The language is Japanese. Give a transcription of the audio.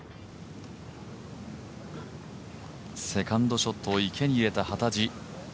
セカンドショットを池に入れた幡地。